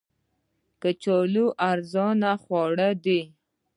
کچالو ارزانه خواړه دي